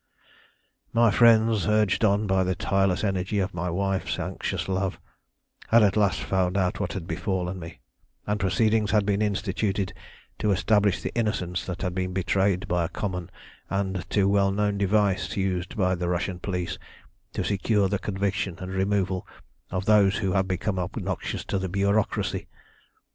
"My friends, urged on by the tireless energy of my wife's anxious love, had at last found out what had befallen me, and proceedings had been instituted to establish the innocence that had been betrayed by a common and too well known device used by the Russian police to secure the conviction and removal of those who have become obnoxious to the bureaucracy.